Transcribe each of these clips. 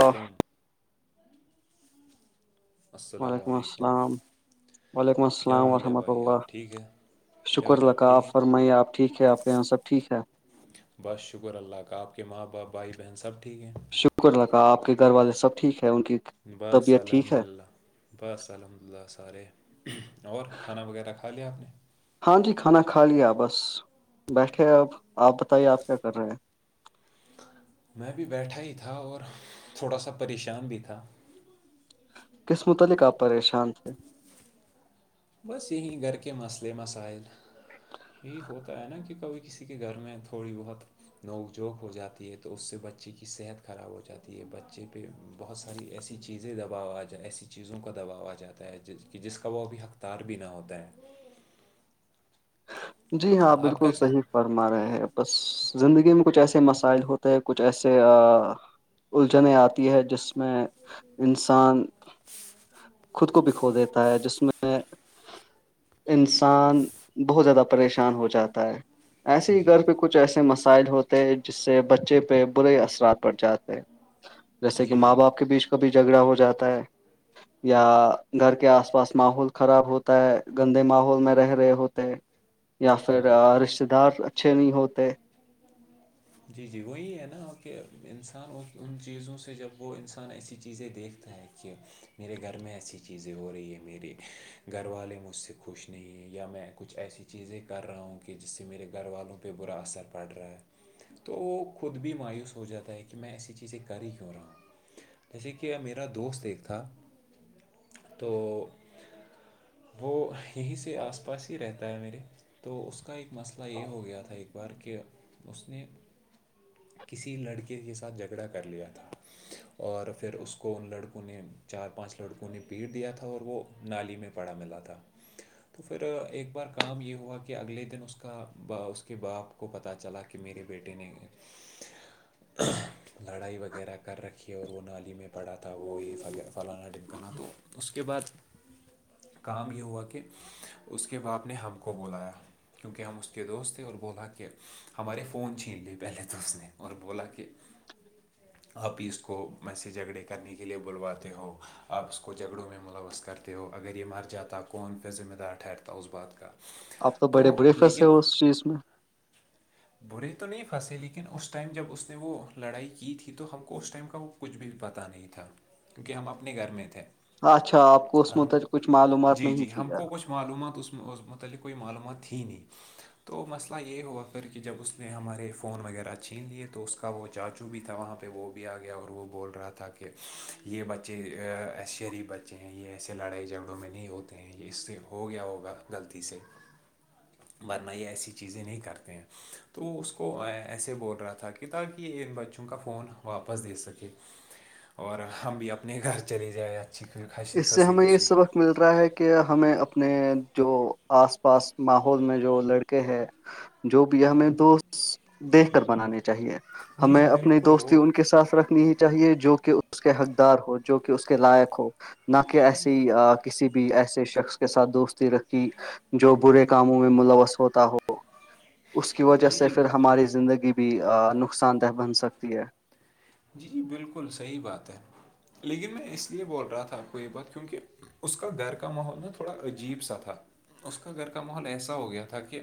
علیکم السلام وعلیکم علیکم السلام وعلیکم کیا السلام حال ہے ورحمۃ بھائی اللہ آپ ٹھیک ہے کیا شکر حال ہے آپ ٹھیک رکاف ہیں فرمائیے آپ ٹھیک ہے آپ کے یہاں سب ٹھیک ہے بس شکر اللہ کا آپ کے ماں باپ بھائی بہن سب ٹھیک ہیں شکر الا آپ کے گھر والے سب ٹھیک ہے ان کی بس طبیعت ٹھیک الحمد ہے للہ بس الحمد للہ سارے اور کھانا وغیرہ کھا لیا آپ نے ہاں جی کھانا کھا لیا بس بیٹھے اب آپ بتائیے آپ کیا کر رہے ہیں میں بھی بیٹھا ہی تھا اور تھوڑا سا پریشان بھی تھا کس متعلق آپ پریشان تھے بس یہیں گھر کے مسئلے مسائل یہی ہوتا ہے نا کہ کبھی کسی کے گھر میں تھوڑی بہت نوک جھوک ہو جاتی ہے تو اس سے بچے کی صحت خراب ہو جاتی ہے بچے پہ بہت ساری ایسی چیزیں دباؤ آ ج ایسی چیزوں کا دباؤ آ جاتا ہے جس کا وہ اب حق تار بھی نہ ہوتا ہے جی ہاں آپ بالکل کا کیا صحیح فرما رہے ہیں بس زندگی میں کچھ ایسے مسائل ہوتے ہے کچھ ایسے الجھنے آتی ہے جس میں انسان خود کو بکھو دیتا ہے جس میں انسان بہت زیادہ پریشان ہو جاتا ہے جی ایسے ہی گھر پہ جی کچھ ایسے مسئ سائل ہوتے ہیں جس سے بچے پہ برے اثرات پڑ جاتے ہیں جیسے کہ جی ماں جی باپ کے بیچ کابھی جھگڑا ہو جاتا ہے یا گھر کے آس پاس ماحول خراب ہوتا ہے گندے ماحول میں رہ رہے ہوتے یا پھر جی رشتے دار اچھے نہیں ہوتے جی جی وہی ہے نا کہ انسان ان چیزوں سے جب وہ انسان ایسی چیزیں دیکھتا ہے کہ میرے گھر میں ایسی چیزیں ہو رہی ہیں میرے گھر والے مجھ سے خوش نہیں ہیں یا میں کچھ ایسی چیزیں کر رہا ہوں کہ جس سے میرے گھر والوں پہ برا اثر پڑ رہا ہے تو وہ خود بھی مایوس ہو جاتا ہے کہ میں ایسی چیزیں کر ہی کیوں رہوں جیسے کہ اب میرا دوست ایک تھا تو وہ یہیں سے آس پاس ہی رہتا ہے میرے تو اس کا ایک مسئلہ یہ ہو گیا تھا ایک بار کہ اس نے کسی لڑکے کے ساتھ جھگڑا کر لیا تھا اور پھر اس کو ان لڑکوں نے چار پانچ لڑکوں نے پیٹ دیا تھا اور وہ نالی میں پڑا ملا تھا تو پھر ایک بار کام یہ ہوا کہ اگلے دن اس کا اس کے باپ کو پتا چلا کہ کہ میر بیٹے نے لڑائی وغیرہ کر رکھی ہے اور وہ نالی میں پڑھا تھا وہی فلانا ڈنکانا تو اس کے بعد کام یہ ہوا کہ اس کے باپ نے ہم کو بلایا کیونکہ ہم اس کے دوست تھے اور بولا کہ ہمارے فون چھین لیے پہلے تو اس نے اور بولا کہ ھم [inaudible] آپ ہی اس کو میں سے جھگڑے کرنے کے لیے بلواتے ہو آپ اس کو جھگڑوں میں ملوث کر پ وہ اگر یہ مر جاتا قون پھرذمہ دار ٹھاررتا اس بات کاار اب تو بڑے بریک فسٹ ہے اس چیز میں برے تو نہیں پھنسے لیکن اس ٹائم جب اس نے وہ لڑائی کی تھی تو ہم کو اس ٹائم کا وہ کچھ بھی پتہ نہیں تھا کیونکہ ہم اپنے گھر میں تھے اچھا آپ کو اس میںت کچھ معلومات جی نہیں جی تھی ہم کیا کو کچھ معلومات اس متعلق کوئی معلومات تھی نہیں تو مسئلہ یہ ہوا کر کے جب اس نے ہمارے فون وغیرہ چھین لیے تو اس کا وہ چاچو بھی تھا وہاں پہ وہ بھی آ گیا اور وہ بول رہا تھا تھا کہ یہ بچےے شریف بچے ہیں یہ ایسے لڑائی جھگڑوں میں نہیں ہوتے تو اس سے ہو گیا ہوگا غلطی سے ج ورنہ یہ ایسی چیزیں نہیں کرتے ہیں تو وہ اس کو ایسے بول رہا تھا کہ تاکہ یہ ان بچوں کا فون واپس دے سکے اور ہم بھی اپنے گھر چلے جائیں اچھی خسی اس سے خنسی ہمیں یہ خوشی سبق مل رہا ہے کہ ہمیں اپنے جو آس پاس ماحول میں جو لڑکے ہے جو بھی ہے ہمیں دوست دیکھ کر بنانے چاہیے جی جی ہمیں اپنی بالکل دوستی وہ ان کے ساتھ رکھنی ہی چاہیے جو کہ اس کے حقدار ہو جو کہ اس کے لائق ہو نہ کہ ایسی کسی بھی ایسے شخص کے ساتھ دوستی رکھی جو برے کاموں میں ملوث ہوتا ہو اس کی وجہ جی سے جی پھر ہماری زندگی بھی نقصان دہ بن سکتی ہے جی جی بالکل صحیح بات ہے لیکن میں اس لیے بول رہا تھا آپ کو یہ بات کیونکہ اس کا در کا ماحول نا تھوڑا عجیب سا تھا اس کا گھر کا ماحول ایسا ہو گیا تھا کہ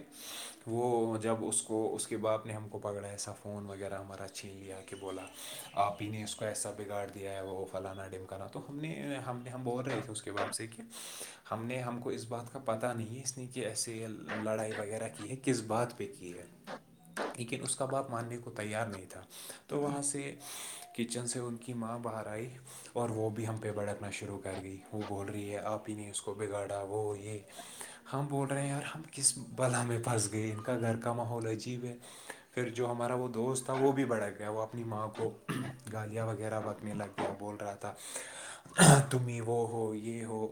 وہ جب اس کو اس کے باپ نے ہم کو پکڑا ایسا فون فون وغیرہ ہمارا اچھے ہی یہ کہ بولا آپ ہی نے اس کو ایسا بگاڑ دیا ہے وہ وہ پلانا ڈمکانا تو ہم نے ہم نے ہم بول رہے تھے اس کے باب سے کہ ہم نے ہم کو اس بات کا پتہ نہیں ہے اس لی کہ ایسے لڑائی وغیرہ کی ہے کہ کس بات پہ کی ہے لیکن اس کا باپ ماننے کو تیار نہیں تھا تو وہاں سے سے کچن سے ان کی ماں باہر آئی اور وہ بھی ہم پہ بھڑکنا شروع کر دیی وہ بول رہی ہے آپ ہی نے اس کو بگاڑا وہ یہ ہم بول رہے ہیں یار ہم کس بلا میں پھنس گئے ان کا گھر کا ماحول عجیب ہے پھر جو ہمارا وہ دوست تھا وہ بھی بڑھا گیا وہ اپ اپنی ماں کو گالیاں وغیرہ بکنے لگ گیا بول رہا تھا تمیں وہ ہو یہ ہو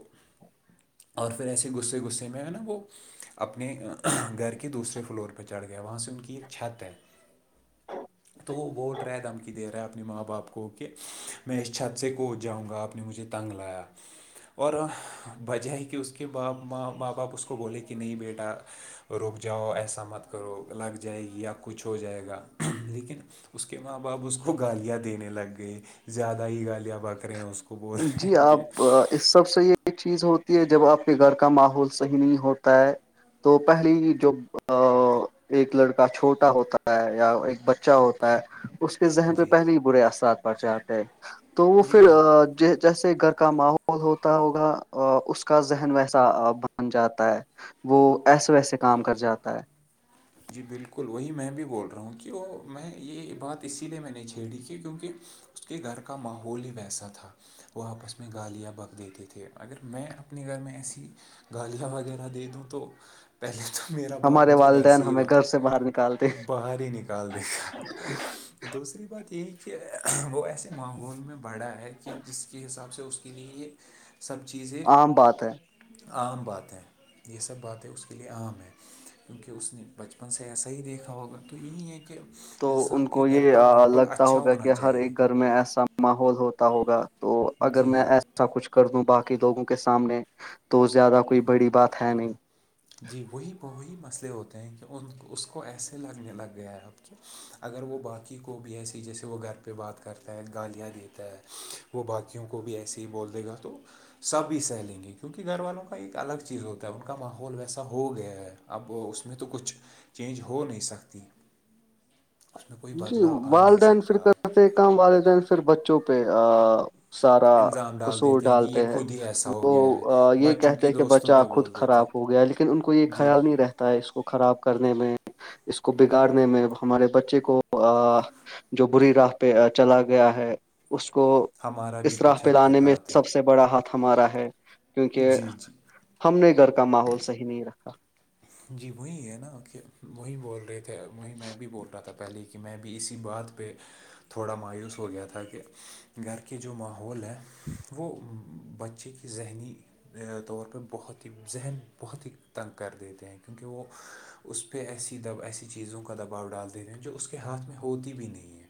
اور پھر ایسے غصے غصے میں ہے نا وہ اپنے گھر کے دوسرے فلور پہ چڑھ گیا وہاں سے ان کی ایک چھت ہے تو ووٹ دھمکی دے رہا ہے اپنی ماں باپ کو کہ میں اس چھت سے کود جاؤں گا آپ نے مجھے تنگ لایا اور وجہ ہے کہ اس کے ماں باپ اس کو بولے کہ نہیں بیٹا روک جاؤ ایسا مت کرو لگ جائے گی یا کچھ ہو جائے گا لیکن اس کے کہ ماں باپ اس کو گالیاں دینے لگ گئے زیادہ ہی گالیاں بکرے ہیں اس کو خب اور ہے جی کہ آپ [unintelligible] اس سب سے یہ ایک چیز ہوتی ہے جب آپ کے گھر کا ماحول صحیح نہیں ہوتا ہے تو پہلی جو ایک لڑکا چھوٹا ہوتا ہے یا ایک بچہ ہوتا ہے اس کے ذہن پہ جی پہلے ہی برے اثرات پڑ جاتے ہے تو وہ جی پھر جی ج جیسے گھر کا ماحول ہوتا ہوگا اس کا ذہن ویسا بن جاتا ہے وہ ایسے ویسے کام کر جاتا ہے جی بالکل وہی میں بھی بول رہا ہوں کہ وہ میں یہ بات اسی لیے میں نے چھیڑی کہ کیونکہ اس کے گھر کا ماحول ہی ویسا تھا وہ آپس میں گالیا بک دیتے تھے اگر میں اپنے گھر میں ایسی گالیاں وغیرہ دے دوں تو پہلے تو میرا باپ ہمارے مجھے گھر سے والدین صہی ہمیں گھر سے باہر بار نکالتے باہر ہی نکالتے دوسری بات یہی ہے کہ وہ ایسے ماحول میں بڑا ہے کہ جس کے حساب سے اس کے لیے یہ سب چیزیں عام بات ہے عام باتیں یہ سب باتیں اس کے لیے عام ہیں کیونکہ اس نے بچپن سے ایسا ہی دیکھا ہوگا تو یہی ہے کہ تو ان انسان کے کو گھر یہ کا ماحول لگتا اچھا ہوگا ہونا کہ ہر چاہیے ایک گھر میں ایسا ماحول ہوتا ہوگا تو اگر جی میں جی ایسا کچھ کر دوں باقی لوگوں کے سامنے تو زیادہ کوئی بڑی بات ہے نہیں جی وہی وہی مسئلے ہوتے ہیں کہ ان اس کو ایسے لگنے لگ گیا ہے اب تو اگر وہ باقی کو بھی ایسیے جیسے وہ گھر پہ بات کرتا ہے گالیاں دیتا ہے وہ باقیوں کو بھی ایسے ہی بول دے گا تو سب ہی سہ لیں گے کیونکہ گھر والوں کا ایک الگ چیز ہوتا ہے ان کا ماحول ماحول ویسا ہو گیا ہے اب اس میں تو کچھ چینج ہو نہیں سکتی اس میں کوئی بدلاؤ آ نہیں سکتا آپ عام والدین صرف بچوں پہ سارا الزام ڈال قصور دیتے کہ ڈالتے یہ ہیں خود ہی ایسا ہو گیا ہے وہ یہ بچوں کہتے کی ہیں کہ دوستوں بچہ پہ خود بول دیتے خراب ہو ہیں گیا لیکن ان کو یہ جی خیال نہیں رہ اس کو خراب کرنے میں اس کو بگاڑنے میں ہمارے بچے کو جو بری راہ پہ چلا گیا ہے اس کو ہمارا بھی اسرح کچھ حد پہلانے تک میں ہاتھ ہے سب سے سے بڑا ہاتھ ہمارا ہے کیونکہ جی جی ہم نے گھر کا ماحول صحیح نہیں رکھا جی وہی ہے نا کہ وہی بول رہے تھے وہیں میں بھی بول رہا تھا پہلے ہی کہ میں بھی اسی بات پہ تھوڑا مایوس ہو گیا تھا کہ گھر کی جو ماحول ہے وہ بچے کی کہ ذہنی طور پہ بہت ہی ذہن بہت ہی تنگ کر دیتے ہیں کیونکہ وہ اس پہ ایسی ایسی چیزوں کا دباؤ ڈال دیتے ہیں جو اس کے کے ہاتھ میں ہوتی بھی نہیں ہے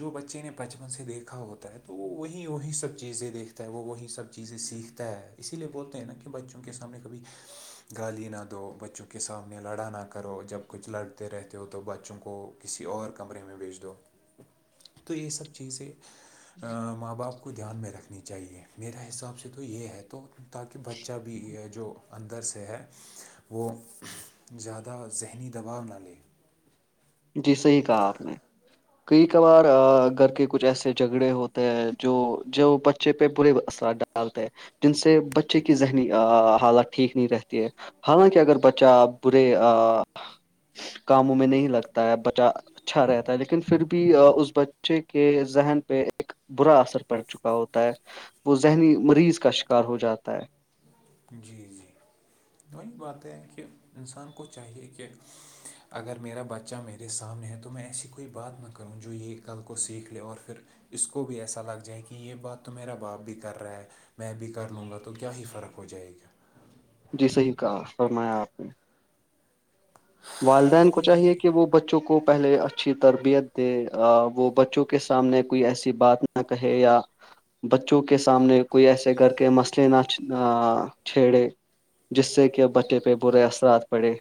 جو بچے نے بچپن سے دیکھا ہوتا ہے تو وہ وہی وہی سب چیزیں دیکھتے وہی سب چیزیں سیکھتا ہے اسی لیے بولتے ہیں نا کہ بچوں کے سامنے کبھی گالی نہ دو بچوں کے سامنے لڑا نہ کرو جب کچھ لڑتے رہتے ہو تو بچوں کو کسی اور کمرے میں بیچ دو تو یہ سب چیزیں ماں باپ کو دھیان میں رکھنی چاہیے میرے حساب سے تو یہ ہے تو تاکہ بچہ بھی جو اندر سے ہے وہ زیادہ ذہنی دباؤ نہ لے جی صحیح کہا آپ نے کئی کبھار گھر کے کچھ ایسے جھگڑے ہوتے ہیں جو جو بچے پہ برے اثرات ڈال ڈالتا ہے جن سے بچے کی ذہنی حالت ٹھیک نہیں رہتی ہے حالانکہ اگر بچہ برے کاموں میں نہیں لگتا ہے بچہ اچھا رہتا ہے لیکن پھر بھی اس بچے کے ذہن پہ ایک برا اثر پڑ چکا ہوتا ہے وہ ذہنی مریض کا شکار ہو جاتا ہے جی جی وہی بات ہے کہ انسان کو چاہیے کہ اگر میرا بچہ میرے سامنے ہے تو میں ایسی کوئی بات نہ کروں جو یہ کل کو سیکھ لے اور پھر اس کو بھی ایسا لگ جائے کہ یہ باپ تو میرا باپ بھی کر رہا ہے میں بھی کر لوں گا تو کیا ہی فرق ہو جائے گا جی صحیح کہا فرمایا آپ نے والدین کو تو چاہیے یہی کہ وہ بچوں کو پہلے اچھی تربیت دے وہ بچوں کے سامنے کوئی ایسی بات نہیں نہ کہہ یا بچوں کے سامنے کوئی ایسے کر کے مسئلے نہ چھیڑے جس سے کہ ا بچے پہ برے اثرات پڑے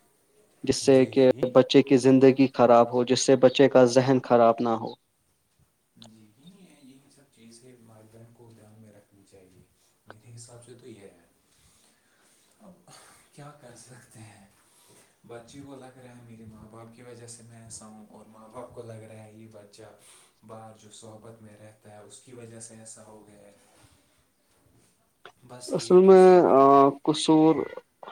جس سے جی کہ جی جی بچے کی زندگی خراب ہو جس سے بچے کا ذہن خراب نہ ہو جی یہ یہی سب چیزیں ماردن کو دھیان میں رکھنی چاہیے میرے حساب سے تو یہ ہے اب کیا کر سکتے ہیں بچے کو لگ رہا ہے میرے ماں باپ کی وجہ سے میں ایسا ہوں اور ماں باپ کو لگ رہا یہ ب ہ بار جو صحبت میں رہتا ہے اس کی وجہ سے ایسا ہو گیا ہے بس ایک دوسرے پہ کصور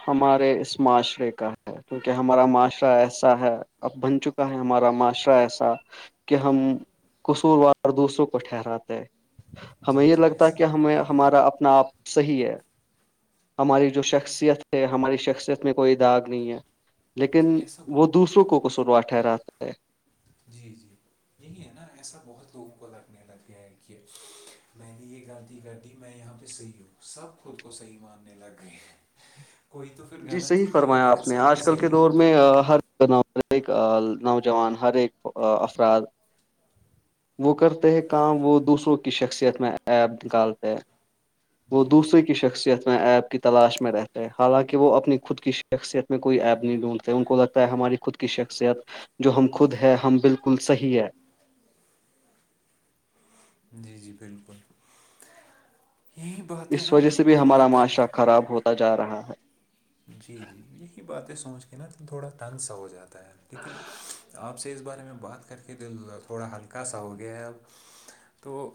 ہمارے اس معاشرے کا ہے کیونکہ ہمارا معاشرہ ایسا ہے اب بن چکے ہمارا معاشرہ ایسا کہ ہم قصوروار دوسروں کو ٹھہراتے ہمیں جی یہ جی لگتا ہے ایسا کہ عام ہمیں ہو گیا ہے ہمارا اب اپنا آپ صحیح ہے ہماری جو شخصیت ہے ہماری شخصیت میں کوئی داغ نہیں ہے جی لیکن ایسا بو وہ دوسروں کو کصوروار ٹھہراتا ہے جی جی نہیں ہے نا ایسا بہت لوگوں کو لگنے لگ گیا ہے کہ میں نے یہ غلطی کر دی میں یہاں پہ صحیح ہوں سب خود کو صحیح ماننے لگ گئے ہیں کوئی تو پھر جی غلط صحی ہی نہیں ہے فرمایا اگر آپ نے سبھی آج کل کے صحیح ہے دور تو میں ہر بنا ہر ایک نوجوان ہر ایک افراد وہ کرتے ہے کام وہ دوسروں کی شخصیت میں ایپ نکالتے ہے وہ جی جی دوسرے کی شخصیت میں ایپ کی تلاش میں رہتا ہیں حالانکہ کہ وہ اپنی خود کی شخصیت میں کوئی ایپ نہیں ڈھونڈتے ان کو لگتا ہے ہماری خود کی شخصیت جو ہم خود ہے ہم بالکل صحیح ہے جی جی بالکل یہ باتیں اس نا وجہ سے بالکل بھی تھوڑا ہمارا تنگ معاشرہ خراب ہوتا جا رہا ہے جی جی یہی باتیں سوچ کے نا تو تھوڑا تنگ سا ہو جاتا ہے لیکن آپ اب سے اس بارے میں بات کر کے د تھوڑا ہلکا سا ہو گیا ہے اب تو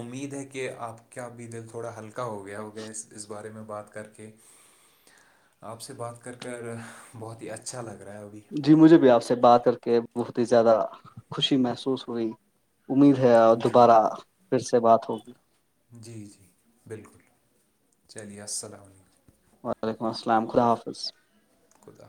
امید ہے کہ آپ کیا ا بھی دل تھوڑا ہلکا ہو گیا ہو گیس اس بارے میں بات کر کے [inaudible] آپ سے بات کر کر بہت ہی اچھا لگ رہا ہے وہ بھیھی جی مجھے بھی آپ سے بات کر کے بہت ہی زیادہ خوشی محسوس ہوئی امید ہے اور جی دوبارہ پھر سے بات ہوگی جی جی بالکل چلیے السلام علیکم وعلیکم السلام خدا حافظ خدا